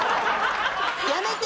やめて！